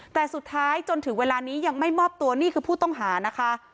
แต่สุดท้ายจนถึงเวลานี้ยังไม่มอบตัวนี่คือผู้ต้องหานะคะ